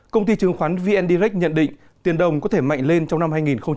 công ty chứng khoán vn direct nhận định tiền đồng có thể mạnh lên trong năm hai nghìn hai mươi